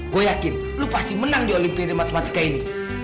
gue yakin lo pasti menang di olimpiade matematika ini